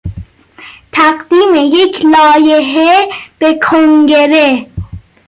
تقدیم یک لایحه به کنگره